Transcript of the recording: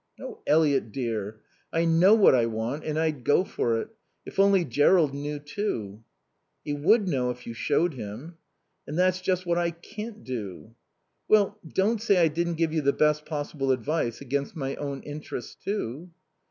"Oh, Eliot dear, I know what I want, and I'd go for it. If only Jerrold knew, too." "He would know if you showed him." "And that's just what I can't do." "Well, don't say I didn't give you the best possible advice, against my own interests, too."